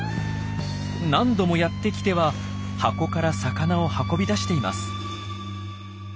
何度もやってきては箱から魚を運び出しています。